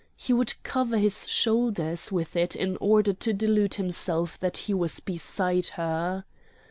He would cover his shoulders with it in order to delude himself that he was beside her.